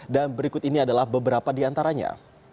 dan berikut ini adalah beberapa di antaranya